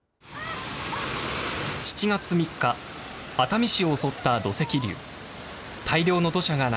７月３日、熱海市を襲った土石流。